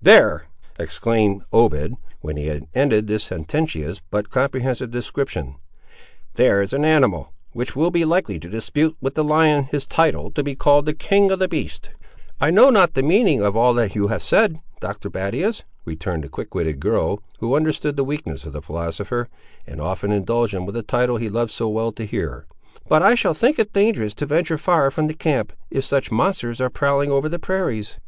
There," exclaimed Obed, when he had ended this sententious but comprehensive description, "there is an animal, which will be likely to dispute with the lion his title to be called the king of the beasts!" "I know not the meaning of all you have said, Doctor Battius," returned the quick witted girl, who understood the weakness of the philosopher, and often indulged him with a title he loved so well to hear; "but I shall think it dangerous to venture far from the camp, if such monsters are prowling over the prairies."